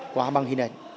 qua bằng hình ảnh